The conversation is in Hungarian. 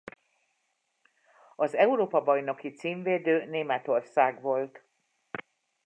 Az Európa-bajnoki címvédő Németország volt.